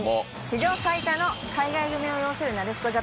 史上最多の海外組を擁するなでしこジャパン。